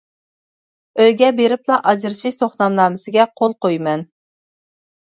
ئۆيگە بېرىپلا ئاجرىشىش توختامنامىسىگە قول قويىمەن.